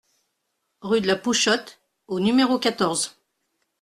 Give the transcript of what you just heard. Rue de la Pouchotte au numéro quatorze